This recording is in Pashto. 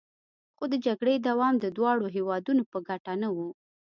خو د جګړې دوام د دواړو هیوادونو په ګټه نه و